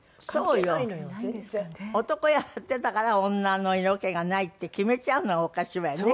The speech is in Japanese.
男やってたから女の色気がないって決めちゃうのはおかしいわよね。